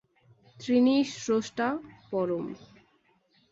তিনিই স্রষ্টা, পরম।